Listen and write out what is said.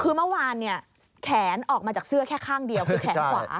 คือเมื่อวานเนี่ยแขนออกมาจากเสื้อแค่ข้างเดียวคือแขนขวา